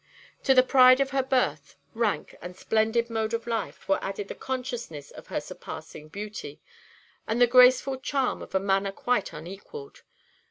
To the pride of her birth, rank, and splendid mode of life were added the consciousness of her surpassing beauty, and the graceful charm of a manner quite unequalled.